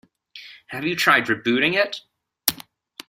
Have you tried rebooting it?